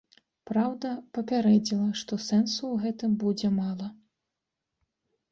Праўда, папярэдзіла, што сэнсу ў гэтым будзе мала.